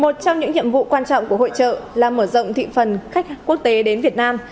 một trong những nhiệm vụ quan trọng của hội trợ là mở rộng thị phần khách quốc tế đến việt nam